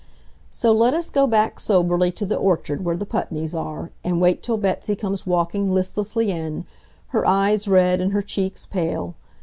So let us go back soberly to the orchard where the Putneys are, and wait till Betsy comes walking listlessly in, her eyes red and her cheeks pale.